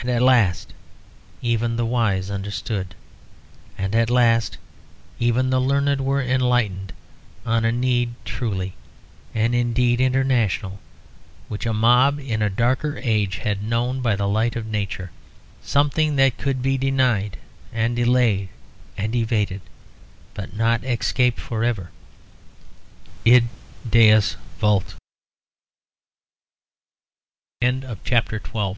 And at last even the wise understood, and at last even the learned were enlightened on a need truly and indeed international, which a mob in a darker age had known by the light of nature; something that could be denied and delayed and evaded, but not escaped for ever. Id Deus vult. CHAPTE